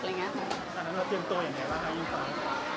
ตอนนั้นเตรียมตัวอย่างไรบ้าง